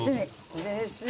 うれしい。